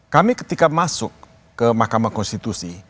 kami ketika masuk ke mahkamah konstitusi